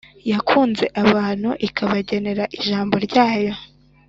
yakunze abantu ikabagenera ijambo ryayo